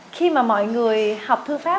khi mà mọi người học thư pháp